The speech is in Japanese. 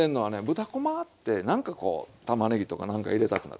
豚こまってなんかこうたまねぎとかなんか入れたくなる。